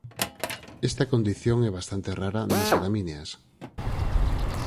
Esta condición é bastante rara nas gramíneas.